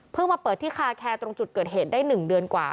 เพิ่งมาเปิดที่คาแคตรงจุดเกิดเหตุได้หนึ่งเดือนกว่า